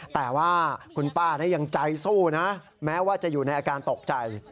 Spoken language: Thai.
แต่ว่าคุณป้ายังใจสู้นะแม้ว่าจะอยู่ในอาการตกใจ